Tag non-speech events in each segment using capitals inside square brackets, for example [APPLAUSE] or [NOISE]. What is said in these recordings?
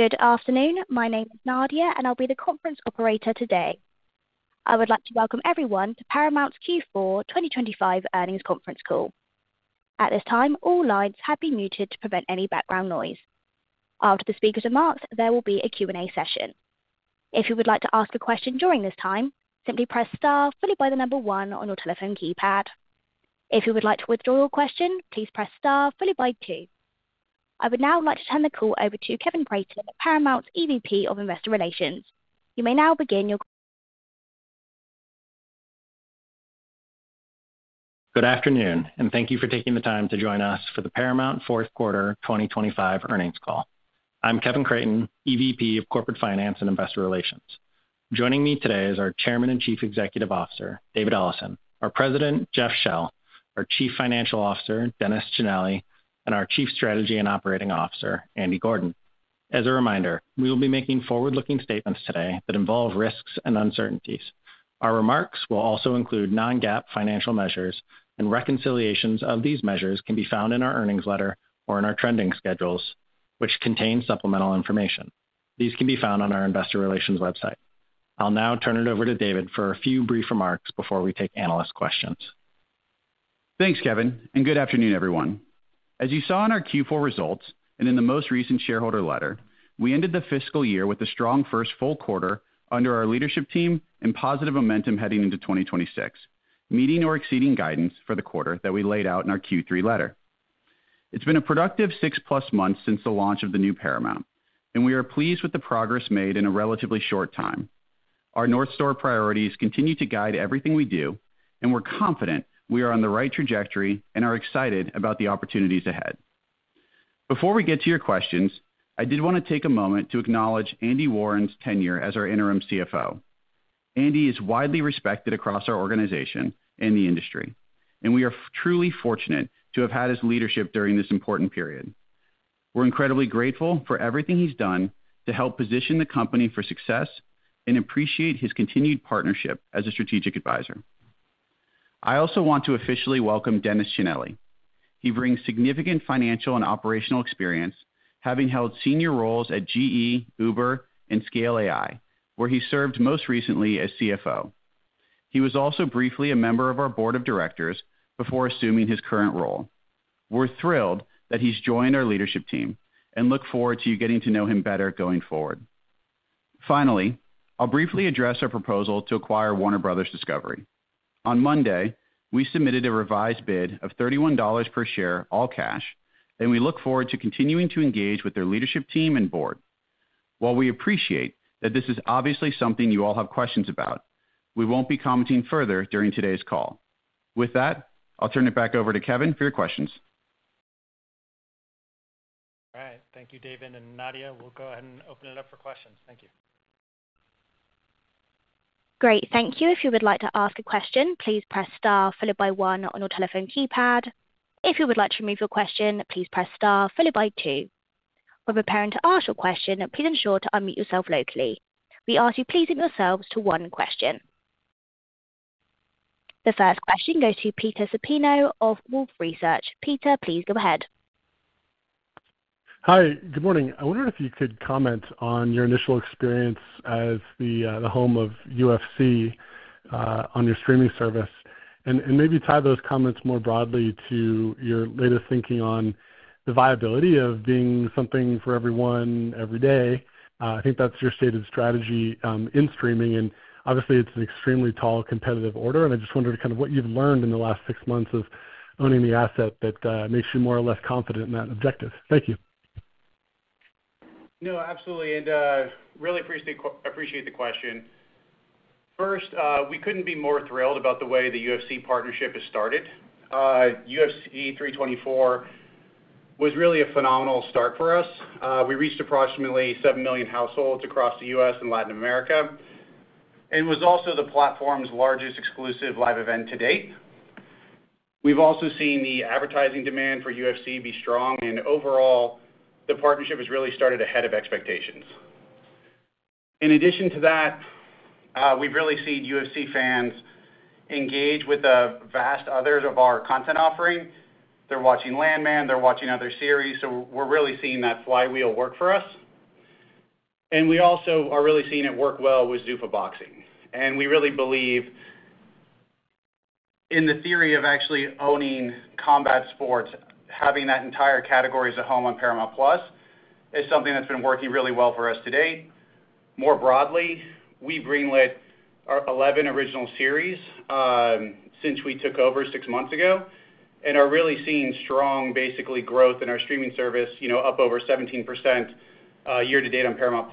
Good afternoon. My name is Nadia, I'll be the conference operator today. I would like to welcome everyone to Paramount's Q4 2025 earnings conference call. At this time, all lines have been muted to prevent any background noise. After the speakers' remarks, there will be a Q&A session. If you would like to ask a question during this time, simply press star followed by one on your telephone keypad. If you would like to withdraw your question, please press star followed by two. I would now like to turn the call over to Kevin Creighton, Paramount's EVP of Investor Relations. You may now begin. Good afternoon. Thank you for taking the time to join us for the Paramount fourth quarter 2025 earnings call. I'm Kevin Creighton, EVP of Corporate Finance and Investor Relations. Joining me today is our Chairman and Chief Executive Officer, David Ellison, our President, Jeff Shell, our Chief Financial Officer, Dennis Cinelli, and our Chief Strategy and Operating Officer, Andy Gordon. As a reminder, we will be making forward-looking statements today that involve risks and uncertainties. Our remarks will also include non-GAAP financial measures. Reconciliations of these measures can be found in our earnings letter or in our trending schedules, which contain supplemental information. These can be found on our investor relations website. I'll now turn it over to David for a few brief remarks before we take analyst questions. Thanks, Kevin, and good afternoon, everyone. As you saw in our Q4 results and in the most recent shareholder letter, we ended the fiscal year with a strong first full quarter under our leadership team and positive momentum heading into 2026, meeting or exceeding guidance for the quarter that we laid out in our Q3 letter. It's been a productive six-plus months since the launch of the new Paramount, and we are pleased with the progress made in a relatively short time. Our North Star priorities continue to guide everything we do, and we're confident we are on the right trajectory and are excited about the opportunities ahead. Before we get to your questions, I did want to take a moment to acknowledge Andy Warren's tenure as our interim CFO. Andy is widely respected across our organization and the industry, and we are truly fortunate to have had his leadership during this important period. We're incredibly grateful for everything he's done to help position the company for success and appreciate his continued partnership as a strategic advisor. I also want to officially welcome Dennis Cinelli. He brings significant financial and operational experience, having held senior roles at GE, Uber, and Scale AI, where he served most recently as CFO. He was also briefly a member of our board of directors before assuming his current role. We're thrilled that he's joined our leadership team and look forward to you getting to know him better going forward. I'll briefly address our proposal to acquire Warner Bros. Discovery. On Monday, we submitted a revised bid of $31 per share, all cash. We look forward to continuing to engage with their leadership team and board. While we appreciate that this is obviously something you all have questions about, we won't be commenting further during today's call. With that, I'll turn it back over to Kevin for your questions. All right. Thank you, David and Nadia. We'll go ahead and open it up for questions. Thank you. Great. Thank you. If you would like to ask a question, please press star followed by one on your telephone keypad. If you would like to remove your question, please press star followed by two. When preparing to ask your question, please ensure to unmute yourself locally. We ask you please limit yourselves to one question. The first question goes to Peter Supino of Wolfe Research. Peter, please go ahead. Hi, good morning. I wonder if you could comment on your initial experience as the home of UFC on your streaming service, and maybe tie those comments more broadly to your latest thinking on the viability of being something for everyone, every day. I think that's your stated strategy in streaming, and obviously it's an extremely tall, competitive order, and I just wondered kind of what you've learned in the last six months of owning the asset that makes you more or less confident in that objective. Thank you. No, absolutely, and really appreciate the question. First, we couldn't be more thrilled about the way the UFC partnership has started. UFC 324 was really a phenomenal start for us. We reached approximately 7 million households across the U.S. and Latin America, and was also the platform's largest exclusive live event to date. We've also seen the advertising demand for UFC be strong, and overall, the partnership has really started ahead of expectations. In addition to that, we've really seen UFC fans engage with the vast others of our content offering. They're watching Landman, they're watching other series, so we're really seeing that flywheel work for us. We also are really seeing it work well with Zuffa Boxing. We really believe in the theory of actually owning combat sports, having that entire category as a home on Paramount+ is something that's been working really well for us to date. More broadly, we've greenlit our 11 original series since we took over six months ago, and are really seeing strong, basically growth in our streaming service, you know, up over 17% year to date on Paramount+.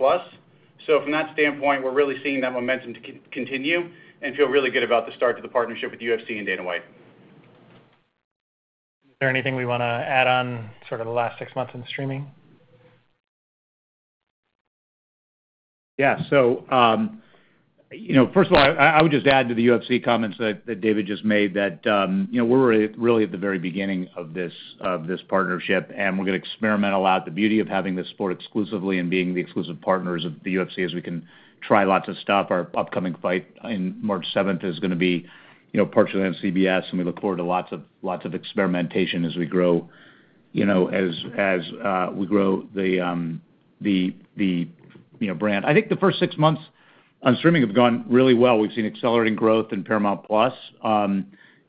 From that standpoint, we're really seeing that momentum continue and feel really good about the start to the partnership with UFC and Dana White. Is there anything we wanna add on sort of the last six months in streaming? Yeah. you know, first of all, I would just add to the UFC comments that David just made, that, you know, we're really at the very beginning of this, of this partnership, and we're going to experiment a lot. The beauty of having this sport exclusively and being the exclusive partners of the UFC is we can try lots of stuff. Our upcoming fight in March seventh is gonna be, you know, partially on CBS, and we look forward to lots of, lots of experimentation as we grow, you know, as we grow the, you know, brand. I think the first six months on streaming have gone really well. We've seen accelerating growth in Paramount+,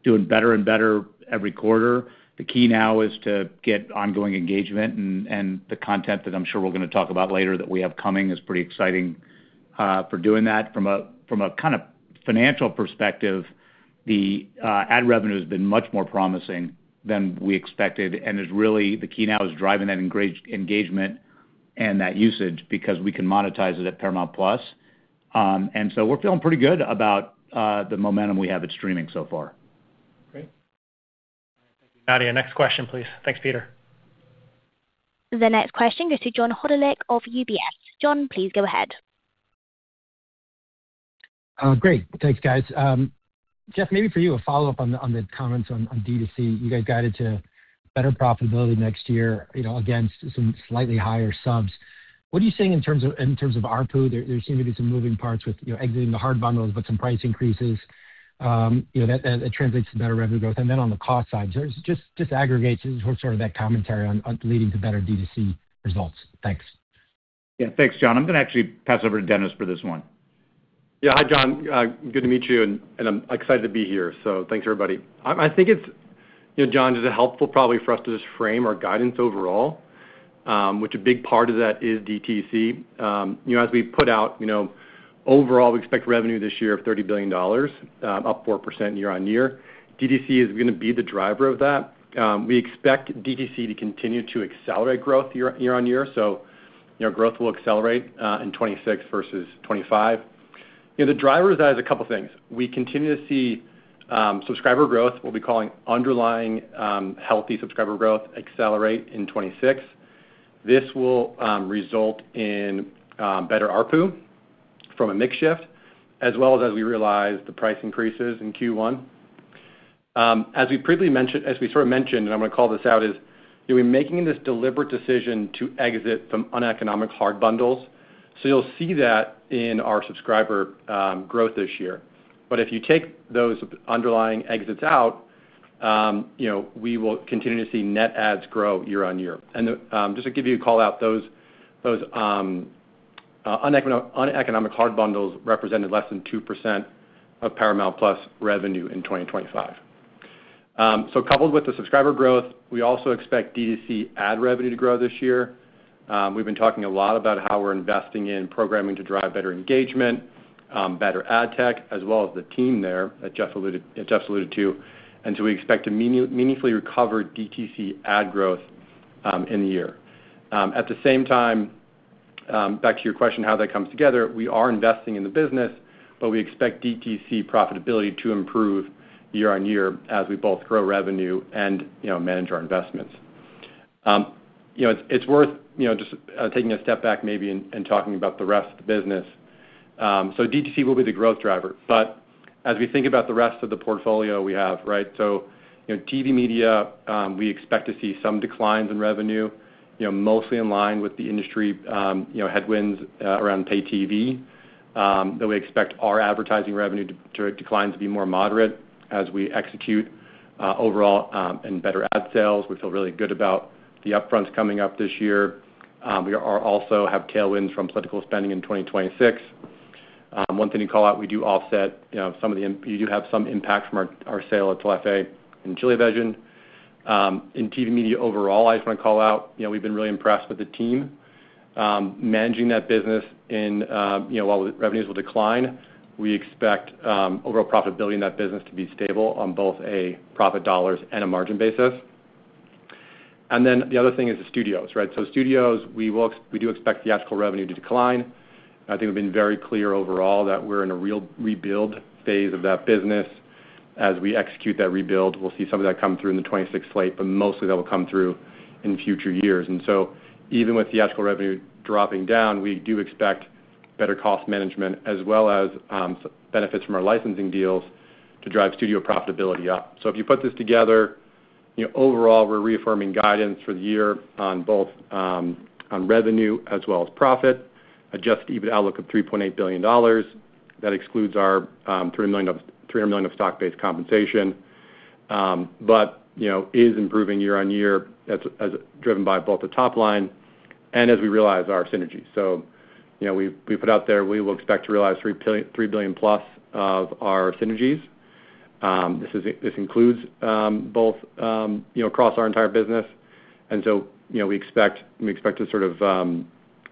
doing better and better every quarter. The key now is to get ongoing engagement and the content that I'm sure we're going to talk about later that we have coming is pretty exciting for doing that. From a kind of financial perspective, the ad revenue has been much more promising than we expected, and is really the key now is driving that engagement and that usage because we can monetize it at Paramount+. We're feeling pretty good about the momentum we have at streaming so far. Great. Nadia, next question, please. Thanks, Peter. The next question goes to John Hodulik of UBS. John, please go ahead. great. Thanks, guys. Jeff, maybe for you, a follow-up on the comments on DTC. You guys guided to better profitability next year, you know, against some slightly higher subs. What are you seeing in terms of ARPU? There seem to be some moving parts with, you know, exiting the hard bundles, but some price increases, you know, that translates to better revenue growth. Then on the cost side, just aggregate sort of that commentary on leading to better DTC results. Thanks. Yeah. Thanks, John. I'm going to actually pass over to Dennis for this one. Yeah. Hi, John. Good to meet you, and I'm excited to be here. Thanks, everybody. I think it's, you know, John, is it helpful probably for us to just frame our guidance overall, which a big part of that is DTC. As we put out, you know, overall, we expect revenue this year of $30 billion, up 4% year-on-year. DTC is going to be the driver of that. We expect DTC to continue to accelerate growth year-on-year-on-year. You know, growth will accelerate in 2026 versus 2025. You know, the drivers of that is a couple of things. We continue to see subscriber growth, what we're calling underlying, healthy subscriber growth, accelerate in 2026. This will result in better ARPU from a mix shift, as well as we realize the price increases in Q1. As we previously mentioned, as we sort of mentioned, and I'm going to call this out, we're making this deliberate decision to exit from uneconomic hard bundles. You'll see that in our subscriber growth this year. If you take those underlying exits out, you know, we will continue to see net adds grow year-on-year. Just to give you a call out, those uneconomic hard bundles represented less than 2% of Paramount+ revenue in 2025. Coupled with the subscriber growth, we also expect DTC ad revenue to grow this year. We've been talking a lot about how we're investing in programming to drive better engagement, better ad tech, as well as the team there that Jeff alluded to. We expect to meaningfully recover DTC ad growth in the year. At the same time, back to your question, how that comes together, we are investing in the business, but we expect DTC profitability to improve year-on-year as we both grow revenue and, you know, manage our investments. You know, it's worth, you know, just taking a step back maybe and talking about the rest of the business. DTC will be the growth driver, but as we think about the rest of the portfolio we have, right? You know, TV media, we expect to see some declines in revenue, you know, mostly in line with the industry, you know, headwinds around pay TV, that we expect our advertising revenue to decline, to be more moderate as we execute overall, and better ad sales. We feel really good about the upfronts coming up this year. We are also have tailwinds from political spending in 2026. One thing to call out, we do offset, you know, some of the we do have some impact from our sale of Telefe and Chilevisión. In TV media overall, I just want to call out, you know, we've been really impressed with the team, managing that business in, you know, while the revenues will decline, we expect overall profitability in that business to be stable on both a profit dollars and a margin basis. The other thing is the studios, right? Studios, we do expect theatrical revenue to decline. I think we've been very clear overall that we're in a real rebuild phase of that business. As we execute that rebuild, we'll see some of that come through in the 26 slate, but mostly that will come through in future years. Even with theatrical revenue dropping down, we do expect better cost management as well as, benefits from our licensing deals to drive studio profitability up. If you put this together, you know, overall, we're reaffirming guidance for the year on both on revenue as well as profit. Adjusted EBITDA outlook of $3.8 billion. That excludes our $300 million of stock-based compensation, but, you know, is improving year-on-year as driven by both the top line and as we realize our synergies. You know, we've put out there, we will expect to realize 3 billion+ of our synergies. This is, this includes both, you know, across our entire business. You know, we expect to sort of,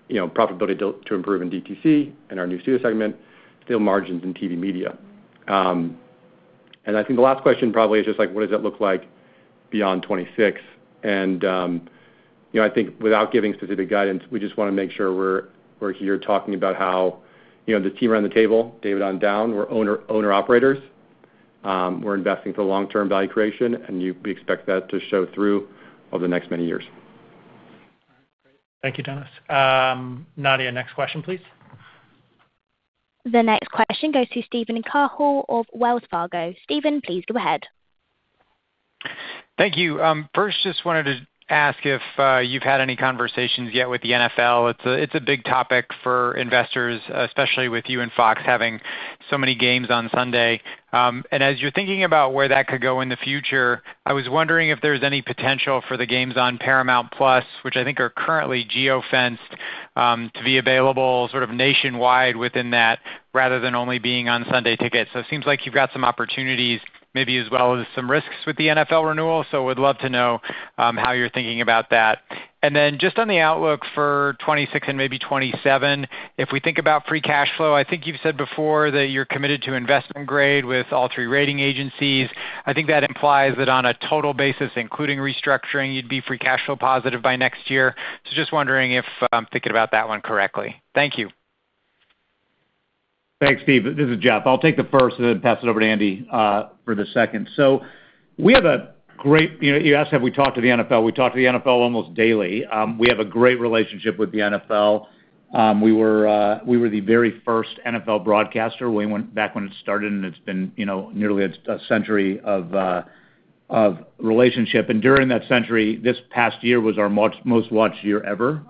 you know, profitability to improve in DTC and our new studio segment, still margins in TV media. I think the last question probably is just like, what does it look like beyond 2026? You know, I think without giving specific guidance, we just want to make sure we're here talking about how, you know, the team around the table, David, on down, we're owner-operators. We're investing for long-term value creation, and we expect that to show through over the next many years. Thank you, Dennis. Nadia, next question, please. The next question goes to Steven Cahall of Wells Fargo. Steven, please go ahead. Thank you. First, just wanted to ask if you've had any conversations yet with the NFL. It's a big topic for investors, especially with you and Fox having so many games on Sunday. As you're thinking about where that could go in the future, I was wondering if there's any potential for the games on Paramount+, which I think are currently geo-fenced. to be available sort of nationwide within that, rather than only being on Sunday Ticket. It seems like you've got some opportunities, maybe as well as some risks with the NFL renewal. We'd love to know how you're thinking about that. Just on the outlook for 2026 and maybe 2027, if we think about free cash flow, I think you've said before that you're committed to investment grade with all three rating agencies. I think that implies that on a total basis, including restructuring, you'd be free cash flow positive by next year. Just wondering if I'm thinking about that one correctly. Thank you. Thanks, Steve. This is Jeff. I'll take the first and then pass it over to Andy for the second. you know, you asked, have we talked to the NFL? We talk to the NFL almost daily. We have a great relationship with the NFL. we were the very first NFL broadcaster way back when it started, and it's been, you know, nearly a century of relationship. during that century, this past year was our most watched year ever.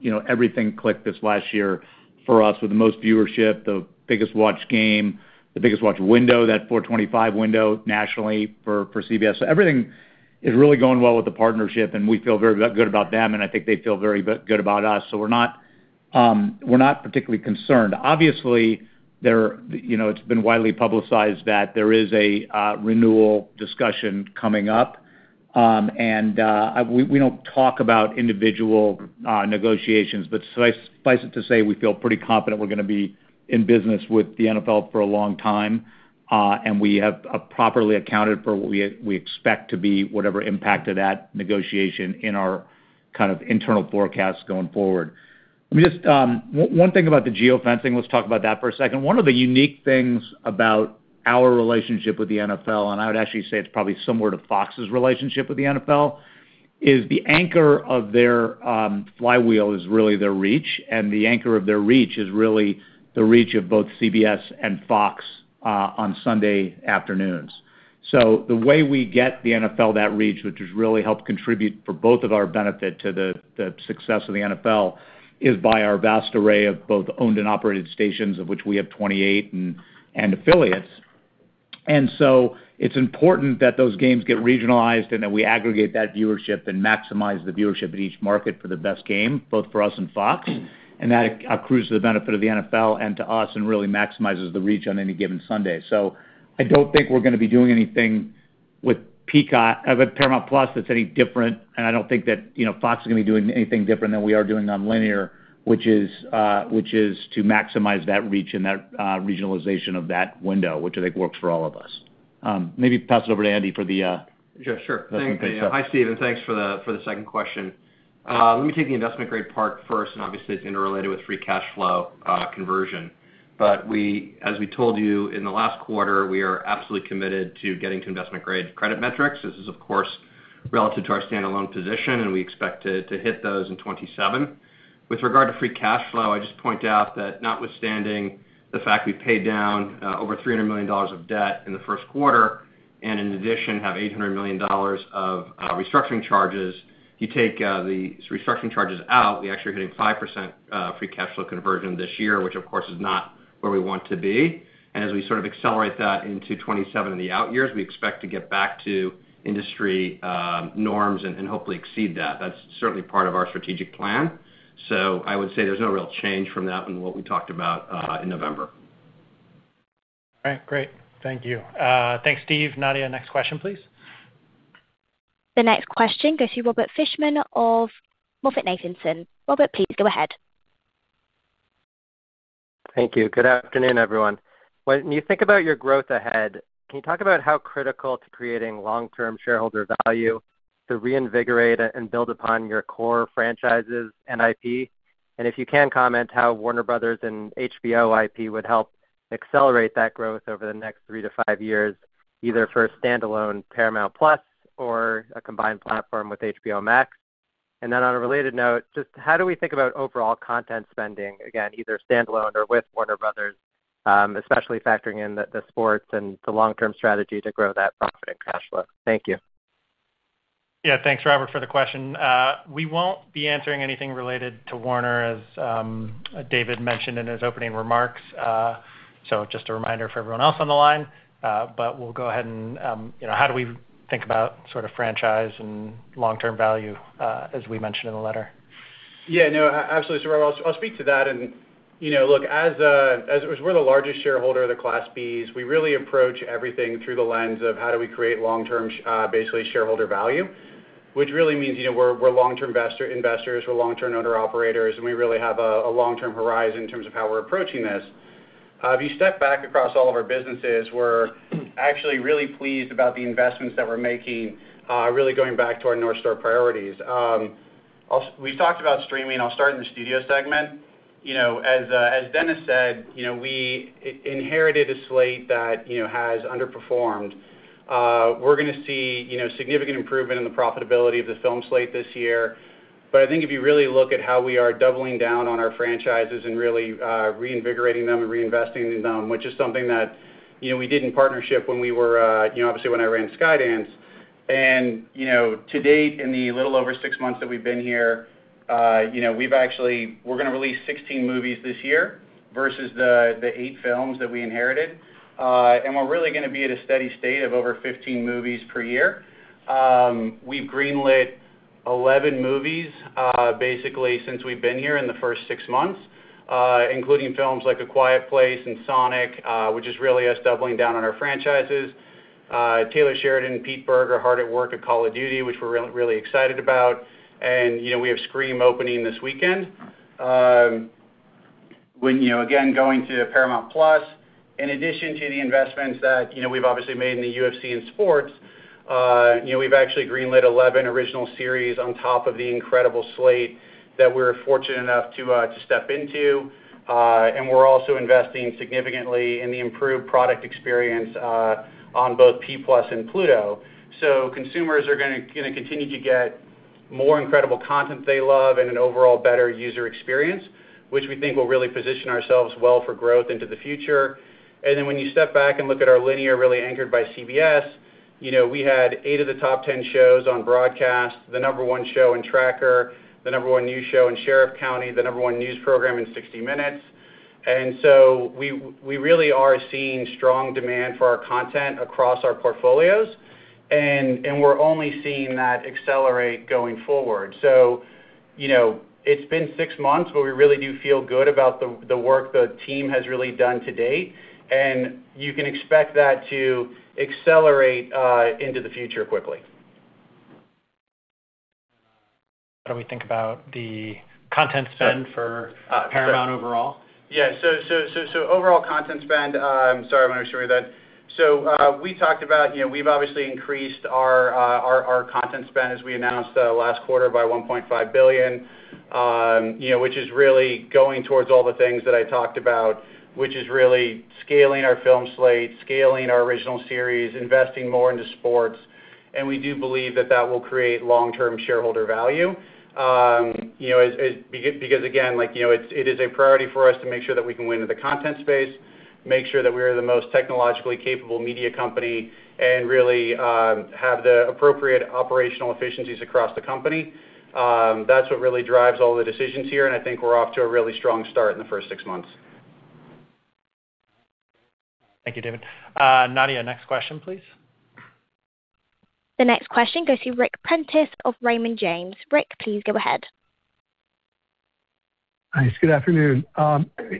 you know, everything clicked this last year for us, with the most viewership, the biggest watched game, the biggest watched window, that 4:25 window nationally for CBS. everything is really going well with the partnership, and we feel very good about them, and I think they feel very good about us. We're not particularly concerned. Obviously, you know, it's been widely publicized that there is a renewal discussion coming up. We don't talk about individual negotiations, but suffice it to say, we feel pretty confident we're gonna be in business with the NFL for a long time, and we have properly accounted for what we expect to be whatever impact of that negotiation in our kind of internal forecast going forward. Let me just one thing about the geofencing, let's talk about that for a second. One of the unique things about our relationship with the NFL, and I would actually say it's probably similar to Fox's relationship with the NFL, is the anchor of their flywheel is really their reach, and the anchor of their reach is really the reach of both CBS and Fox on Sunday afternoons. The way we get the NFL that reach, which has really helped contribute for both of our benefit to the success of the NFL, is by our vast array of both owned and operated stations, of which we have 28, and affiliates. It's important that those games get regionalized and that we aggregate that viewership and maximize the viewership in each market for the best game, both for us and Fox. That accrues to the benefit of the NFL and to us, and really maximizes the reach on any given Sunday. I don't think we're gonna be doing anything with Paramount+, that's any different, and I don't think that, you know, Fox is gonna be doing anything different than we are doing on linear, which is to maximize that reach and that regionalization of that window, which I think works for all of us. Maybe pass it over to Andy for the. Yeah, sure. [CROSSTALK] Hi, Steven, and thanks for the second question. Let me take the investment grade part first, and obviously, it's interrelated with free cash flow conversion. As we told you in the last quarter, we are absolutely committed to getting to investment-grade credit metrics. This is, of course, relative to our standalone position, and we expect to hit those in 2027. With regard to free cash flow, I just point out that notwithstanding the fact we paid down over $300 million of debt in the first quarter, and in addition, have $800 million of restructuring charges. You take the restructuring charges out, we're actually hitting 5% free cash flow conversion this year, which of course, is not where we want to be. As we sort of accelerate that into 2027 and the out years, we expect to get back to industry norms and hopefully exceed that. That's certainly part of our strategic plan. I would say there's no real change from that and what we talked about in November. All right, great. Thank you. Thanks, Steve. Nadia, next question, please. The next question goes to Robert Fishman of MoffettNathanson. Robert, please go ahead. Thank you. Good afternoon, everyone. When you think about your growth ahead, can you talk about how critical to creating long-term shareholder value to reinvigorate and build upon your core franchises and IP? If you can, comment how Warner Bros. and HBO IP would help accelerate that growth over the next three to five years, either for a standalone Paramount+ or a combined platform with HBO Max. On a related note, just how do we think about overall content spending, again, either standalone or with Warner Bros., especially factoring in the sports and the long-term strategy to grow that profit and cash flow? Thank you. Yeah, thanks, Robert, for the question. We won't be answering anything related to Warner, as David mentioned in his opening remarks. Just a reminder for everyone else on the line, we'll go ahead and, you know, how do we think about sort of franchise and long-term value, as we mentioned in the letter? Yeah, no, absolutely. I'll speak to that. You know, look, as we're the largest shareholder of the Class Bs, we really approach everything through the lens of how do we create long-term, basically, shareholder value, which really means, you know, we're long-term investors, we're long-term owner-operators, and we really have a long-term horizon in terms of how we're approaching this. If you step back across all of our businesses, we're actually really pleased about the investments that we're making, really going back to our North Star priorities. We've talked about streaming. I'll start in the studio segment. You know, as Dennis said, you know, we inherited a slate that, you know, has underperformed. We're gonna see, you know, significant improvement in the profitability of the film slate this year. I think if you really look at how we are doubling down on our franchises and really reinvigorating them and reinvesting in them, which is something that, you know, we did in partnership when we were, you know, obviously when I ran Skydance. You know, to date, in the little over six months that we've been here, you know, we've actually we're gonna release 16 movies this year. Versus the eight films that we inherited. We're really gonna be at a steady state of over 15 movies per year. We've greenlit 11 movies, basically since we've been here in the first six months, including films like A Quiet Place and Sonic, which is really us doubling down on our franchises. Taylor Sheridan and Peter Berg are hard at work at Call of Duty, which we're really excited about. You know, we have Scream opening this weekend. When, you know, again, going to Paramount+, in addition to the investments that, you know, we've obviously made in the UFC and sports, you know, we've actually greenlit 11 original series on top of the incredible slate that we're fortunate enough to step into. We're also investing significantly in the improved product experience on both P+ and Pluto. Consumers are gonna continue to get more incredible content they love and an overall better user experience, which we think will really position ourselves well for growth into the future. When you step back and look at our linear, really anchored by CBS, you know, we had eight of the top 10 shows on broadcast, the number one show in Tracker, the number one news show in Sheriff Country, the number one news program in 60 Minutes. We really are seeing strong demand for our content across our portfolios, and we're only seeing that accelerate going forward. You know, it's been six months, but we really do feel good about the work the team has really done to date, and you can expect that to accelerate into the future quickly. How do we think about the content spend for Paramount overall? Yeah. So overall content spend, sorry, I wanna ensure that. We talked about, you know, we've obviously increased our content spend, as we announced last quarter, by $1.5 billion, you know, which is really going towards all the things that I talked about, which is really scaling our film slate, scaling our original series, investing more into sports. We do believe that that will create long-term shareholder value. You know, as because, again, like, you know, it's, it is a priority for us to make sure that we can win in the content space, make sure that we are the most technologically capable media company, and really, have the appropriate operational efficiencies across the company. That's what really drives all the decisions here, and I think we're off to a really strong start in the first six months. Thank you, David. Nadia, next question, please. The next question goes to Ric Prentiss of Raymond James. Ric, please go ahead. Thanks. Good afternoon.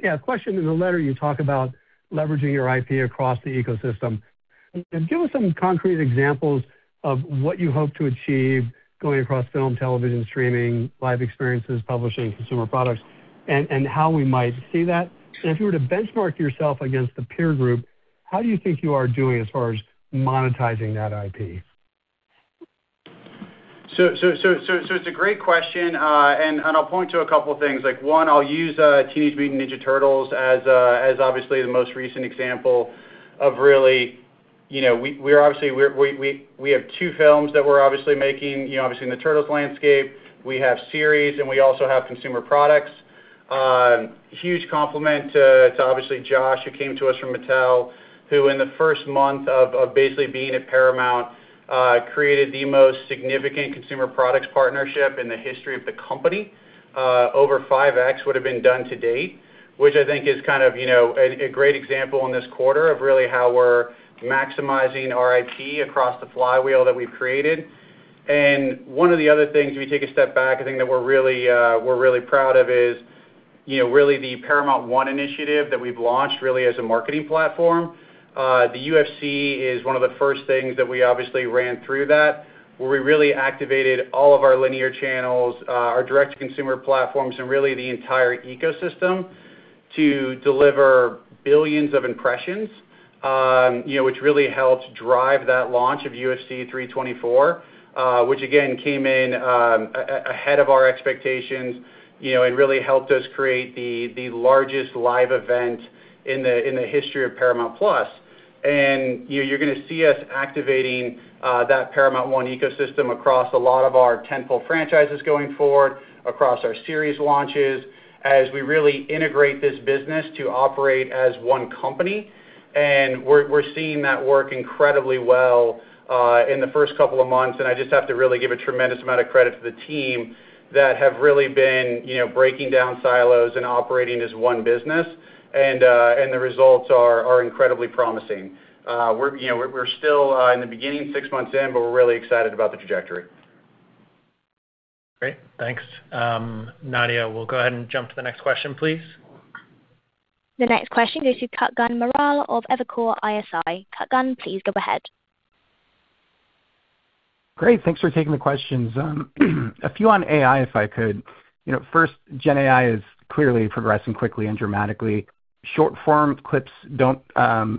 yeah, question. In the letter, you talk about leveraging your IP across the ecosystem. Give us some concrete examples of what you hope to achieve going across film, television, streaming, live experiences, publishing, consumer products, and how we might see that. If you were to benchmark yourself against the peer group, how do you think you are doing as far as monetizing that IP? It's a great question, and I'll point to a couple things. Like, one, I'll use Teenage Mutant Ninja Turtles as obviously the most recent example of really. You know, we're obviously, we have two films that we're obviously making. You know, obviously, in the Turtles landscape, we have series, and we also have consumer products. huge compliment to obviously Josh, who came to us from Mattel, who in the first month of basically being at Paramount, created the most significant consumer products partnership in the history of the company. Over 5x would have been done to date, which I think is kind of, you know, a great example in this quarter of really how we're maximizing our IP across the flywheel that we've created. One of the other things, if we take a step back, I think that we're really, we're really proud of is, you know, really the Paramount One initiative that we've launched really as a marketing platform. The UFC is one of the first things that we obviously ran through that, where we really activated all of our linear channels, our direct-to-consumer platforms, and really the entire ecosystem to deliver billions of impressions, you know, which really helped drive that launch of UFC 324. Which again, came in, ahead of our expectations, you know, and really helped us create the largest live event in the history of Paramount+. You're gonna see us activating that Paramount One ecosystem across a lot of our tentpole franchises going forward, across our series launches, as we really integrate this business to operate as one company. We're seeing that work incredibly well in the first couple of months, and I just have to really give a tremendous amount of credit to the team that have really been, you know, breaking down silos and operating as one business. The results are incredibly promising. We're, you know, we're still in the beginning, six months in, but we're really excited about the trajectory. Great. Thanks. Nadia, we'll go ahead and jump to the next question, please. The next question goes to Kutgun Maral of Evercore ISI. Kutgun, please go ahead. Great. Thanks for taking the questions. A few on AI, if I could. You know, first, Gen AI is clearly progressing quickly and dramatically. Short-form clips don't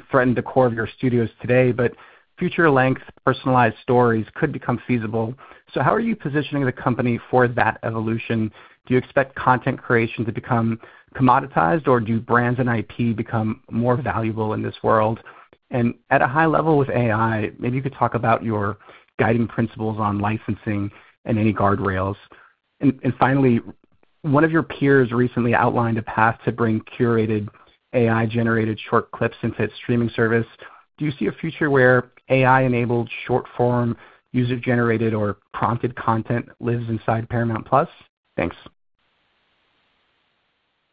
threaten the core of your studios today, but future-length personalized stories could become feasible. How are you positioning the company for that evolution? Do you expect content creation to become commoditized, or do brands and IP become more valuable in this world? At a high level with AI, maybe you could talk about your guiding principles on licensing and any guardrails. Finally, one of your peers recently outlined a path to bring AI-generated short clips into its streaming service. Do you see a future where AI-enabled short form, user-generated, or prompted content lives inside Paramount+? Thanks.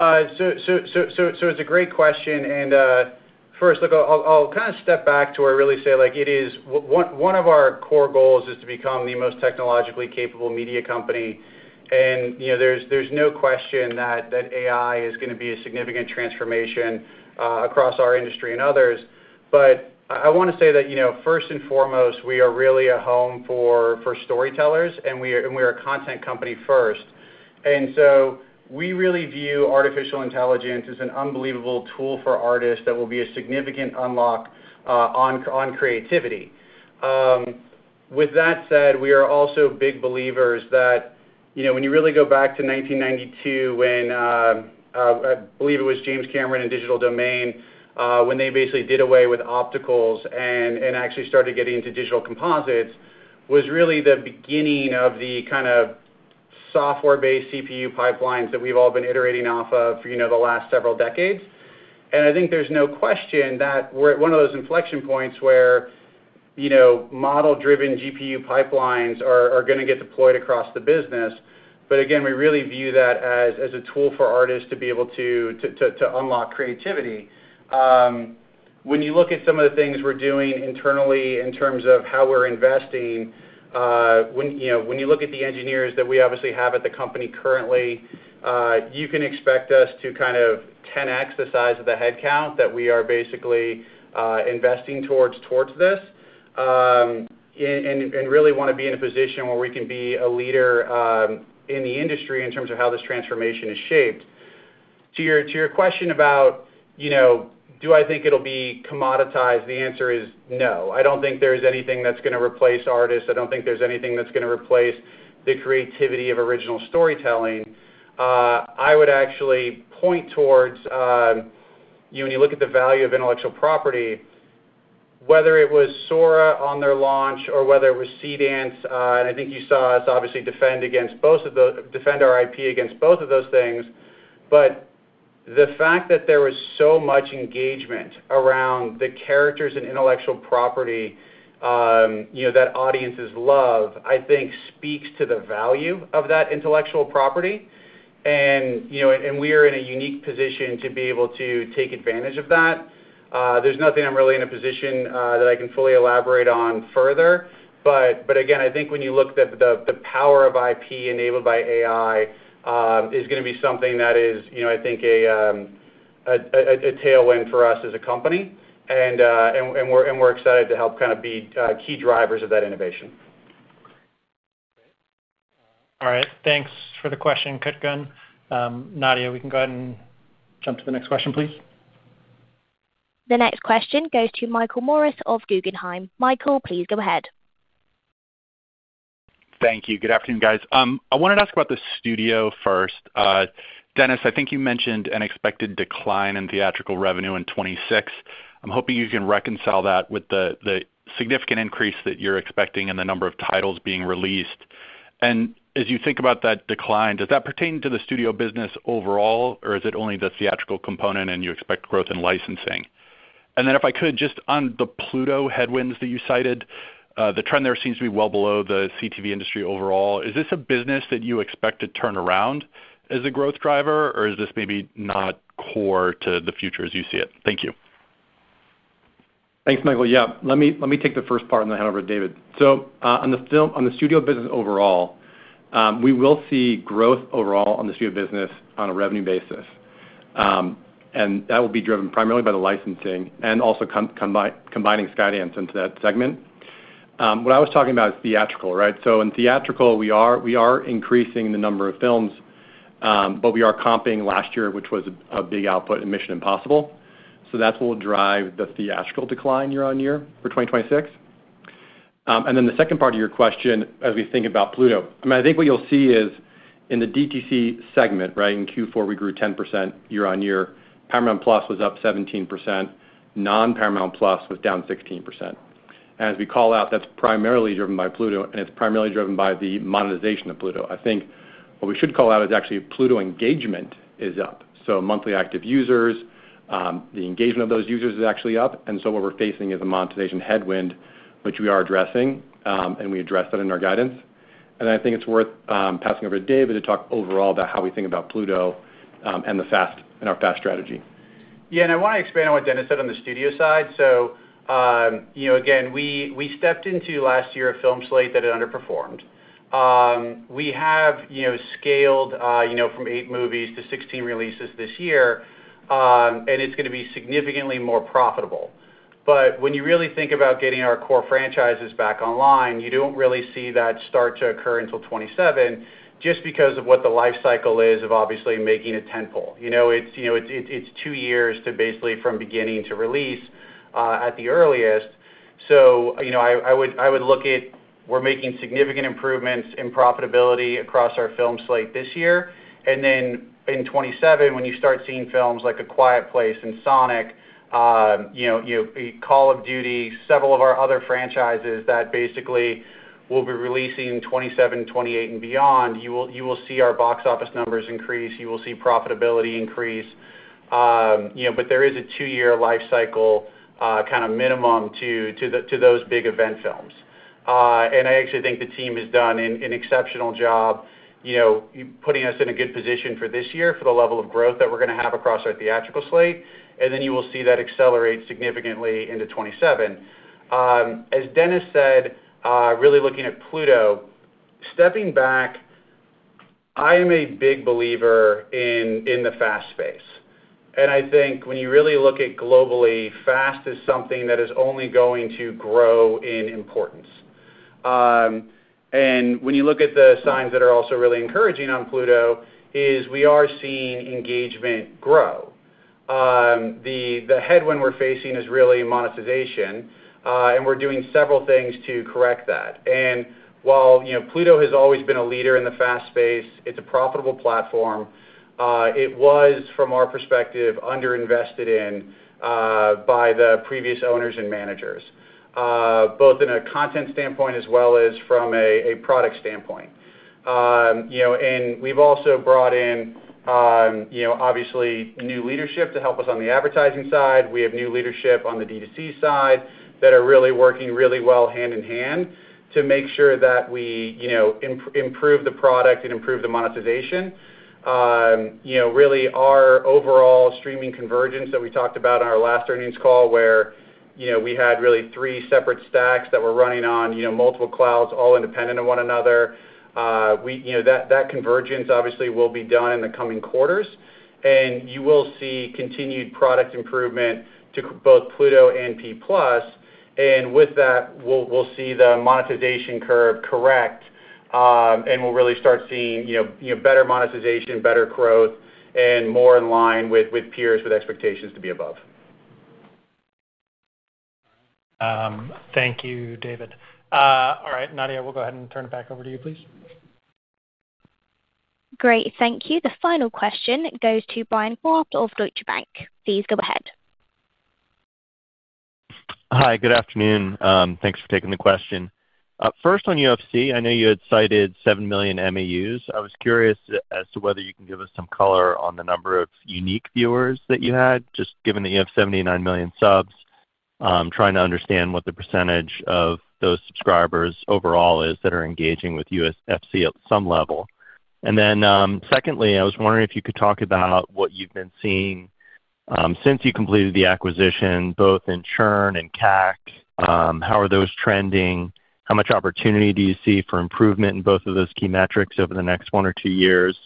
It's a great question, and first, look, I'll kind of step back to where I really say, like, one of our core goals is to become the most technologically capable media company. You know, there's no question that AI is gonna be a significant transformation across our industry and others. I wanna say that, you know, first and foremost, we are really a home for storytellers, and we are a content company first. We really view artificial intelligence as an unbelievable tool for artists that will be a significant unlock on creativity. With that said, we are also big believers that, you know, when you really go back to 1992, when I believe it was James Cameron in Digital Domain, when they basically did away with opticals and actually started getting into digital composites, was really the beginning of the kind of software-based CPU pipelines that we've all been iterating off of, you know, the last several decades. I think there's no question that we're at one of those inflection points where, you know, model-driven GPU pipelines are gonna get deployed across the business. Again, we really view that as a tool for artists to be able to unlock creativity. When you look at some of the things we're doing internally in terms of how we're investing, you know, when you look at the engineers that we obviously have at the company currently, you can expect us to kind of 10x the size of the headcount that we are basically, investing towards this. Really wanna be in a position where we can be a leader, in the industry in terms of how this transformation is shaped. To your question about, you know, do I think it'll be commoditized? The answer is no. I don't think there's anything that's gonna replace artists. I don't think there's anything that's gonna replace the creativity of original storytelling. I would actually point towards, you know, when you look at the value of intellectual property, whether it was sora on their launch or whether it was Seedance, I think you saw us obviously defend our IP against both of those things. The fact that there was so much engagement around the characters and intellectual property, you know, that audiences love, I think speaks to the value of that intellectual property. You know, and we are in a unique position to be able to take advantage of that. There's nothing I'm really in a position that I can fully elaborate on further, but again, I think when you look at the power of IP enabled by AI, is gonna be something that is, you know, I think, a, a tailwind for us as a company, and we're excited to help kind of be key drivers of that innovation. All right, thanks for the question, Kutgun. Nadia, we can go ahead and jump to the next question, please. The next question goes to Michael Morris of Guggenheim. Michael, please go ahead. Thank you. Good afternoon, guys. I wanted to ask about the studio first. Dennis, I think you mentioned an expected decline in theatrical revenue in 2026. I'm hoping you can reconcile that with the significant increase that you're expecting in the number of titles being released. As you think about that decline, does that pertain to the studio business overall, or is it only the theatrical component and you expect growth in licensing? If I could, just on the Pluto headwinds that you cited, the trend there seems to be well below the CTV industry overall. Is this a business that you expect to turn around as a growth driver, or is this maybe not core to the future as you see it? Thank you. Thanks, Michael. Yeah, let me take the first part, then hand over to David. On the studio business overall, we will see growth overall on the studio business on a revenue basis. That will be driven primarily by the licensing and also combining Skydance into that segment. What I was talking about is theatrical, right? In theatrical, we are increasing the number of films, we are comping last year, which was a big output in Mission: Impossible. That's what will drive the theatrical decline year on year for 2026. Then the second part of your question, as we think about Pluto, I mean, I think what you'll see is in the DTC segment, right, in Q4, we grew 10% year on year. Paramount+ was up 17%. Non-Paramount+ was down 16%. As we call out, that's primarily driven by Pluto, and it's primarily driven by the monetization of Pluto. I think what we should call out is actually Pluto engagement is up. monthly active users, the engagement of those users is actually up, and so what we're facing is a monetization headwind, which we are addressing, and we addressed that in our guidance. I think it's worth passing over to David to talk overall about how we think about Pluto, and our FAST strategy. I wanna expand on what Dennis said on the studio side. You know, again, we stepped into last year, a film slate that had underperformed. We have, you know, scaled, you know, from eight movies to 16 releases this year, and it's gonna be significantly more profitable. When you really think about getting our core franchises back online, you don't really see that start to occur until 2027, just because of what the life cycle is of obviously making a tentpole. You know, it's two years to basically from beginning to release at the earliest. You know, We're making significant improvements in profitability across our film slate this year. In 2027, when you start seeing films like A Quiet Place and Sonic, you know, Call of Duty, several of our other franchises that basically will be releasing in 2027, 2028 and beyond, you will see our box office numbers increase, you will see profitability increase. You know, there is a two-year life cycle, kind of minimum to those big event films. I actually think the team has done an exceptional job, you know, putting us in a good position for this year, for the level of growth that we're gonna have across our theatrical slate, you will see that accelerate significantly into 2027. As Dennis said, really looking at Pluto, stepping back, I am a big believer in the FAST space. I think when you really look at globally, FAST is something that is only going to grow in importance. When you look at the signs that are also really encouraging on Pluto, is we are seeing engagement grow. The headwind we're facing is really monetization, and we're doing several things to correct that. While, you know, Pluto has always been a leader in the FAST space, it's a profitable platform. It was, from our perspective, underinvested in by the previous owners and managers, both in a content standpoint as well as from a product standpoint. You know, and we've also brought in, you know, obviously, new leadership to help us on the advertising side. We have new leadership on the DTC side that are really working really well hand in hand to make sure that we improve the product and improve the monetization. really, our overall streaming convergence that we talked about in our last earnings call, where we had really three separate stacks that were running on multiple clouds, all independent of one another. that convergence obviously will be done in the coming quarters, and you will see continued product improvement to both Pluto and P+. With that, we'll see the monetization curve correct, and we'll really start seeing better monetization, better growth, and more in line with peers, with expectations to be above. Thank you, David. All right, Nadia, we'll go ahead and turn it back over to you, please. Great, thank you. The final question goes to Bryan Kraft of Deutsche Bank. Please go ahead. Hi, good afternoon. Thanks for taking the question. First, on UFC, I know you had cited 7 million MAUs. I was curious as to whether you can give us some color on the number of unique viewers that you had, just given that you have 79 million subs. Trying to understand what the percentage of those subscribers overall is that are engaging with UFC at some level. Secondly, I was wondering if you could talk about what you've been seeing, since you completed the acquisition, both in churn and CAC. How are those trending? How much opportunity do you see for improvement in both of those key metrics over the next one or two years?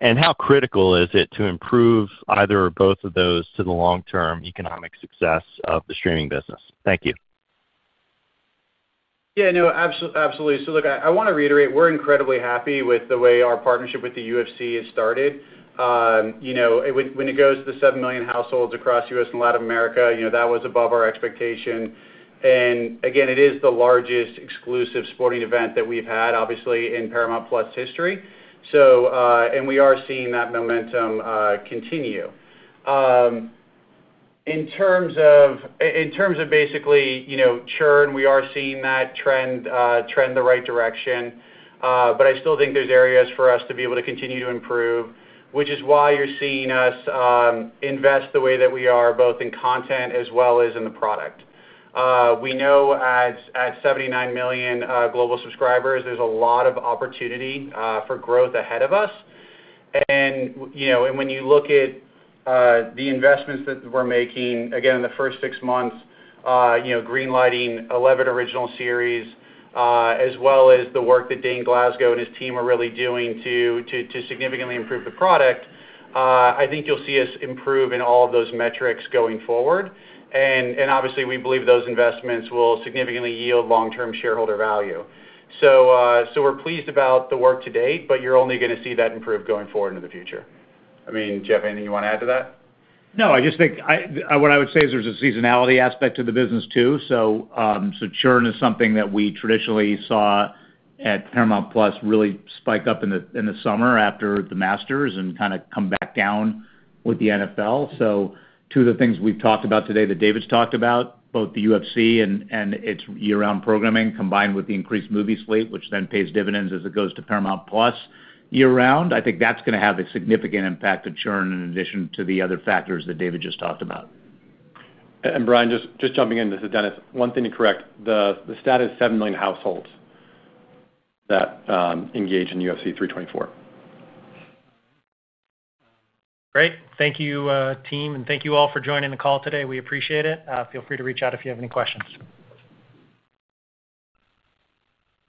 How critical is it to improve either or both of those to the long-term economic success of the streaming business? Thank you. Yeah, no, absolutely. Look, I wanna reiterate, we're incredibly happy with the way our partnership with the UFC has started. You know, when it goes to the 7 million households across U.S. and Latin America, you know, that was above our expectation. Again, it is the largest exclusive sporting event that we've had, obviously, in Paramount+ history. We are seeing that momentum continue. In terms of basically, you know, churn, we are seeing that trend the right direction. I still think there's areas for us to be able to continue to improve, which is why you're seeing us invest the way that we are, both in content as well as in the product. We know at 79 million global subscribers, there's a lot of opportunity for growth ahead of us. You know, when you look at the investments that we're making, again, in the first 6 months, you know, green lighting 11 original series, as well as the work that Dane Glasgow and his team are really doing to significantly improve the product, I think you'll see us improve in all of those metrics going forward. Obviously, we believe those investments will significantly yield long-term shareholder value. We're pleased about the work to date, but you're only gonna see that improve going forward into the future. I mean, Jeff, anything you want to add to that? No, I just think what I would say is there's a seasonality aspect to the business, too. Churn is something that we traditionally saw at Paramount+ really spike up in the summer after The Masters and kinda come back down with the NFL. Two of the things we've talked about today, that David's talked about, both the UFC and its year-round programming, combined with the increased movie slate, which then pays dividends as it goes to Paramount+ year-round, I think that's gonna have a significant impact to churn in addition to the other factors that David just talked about. Bryan, just jumping in. This is Dennis. One thing to correct, the status, 7 million households that engage in UFC 324. Great. Thank you, team. Thank you all for joining the call today. We appreciate it. Feel free to reach out if you have any questions.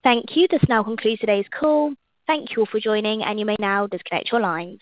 Thank you. This now concludes today's call. Thank you all for joining, and you may now disconnect your lines.